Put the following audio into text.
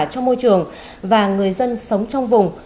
trong môi trường và người dân sống trong vùng